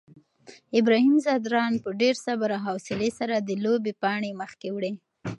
ابراهیم ځدراڼ په ډېر صبر او حوصلې سره د لوبې پاڼۍ مخکې وړي.